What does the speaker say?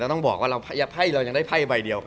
แล้วต้องบอกว่าเรายังได้ไพ่ใบเดียวกันเลย